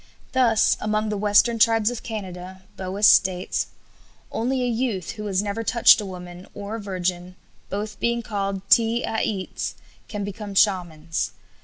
Thus, among the western tribes of Canada, Boas states: "Only a youth who has never touched a woman, or a virgin, both being called te 'e 'its, can become shamans.